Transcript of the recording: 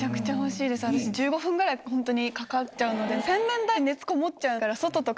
１５分くらいホントにかかっちゃうので。